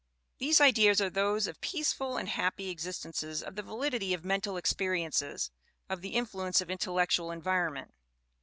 These ideas are those of peaceful and happy existences, of the validity of mental experiences, of the influence of intellectual environment.